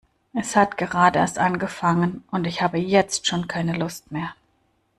Es hat gerade erst angefangen und ich habe jetzt schon keine Lust mehr.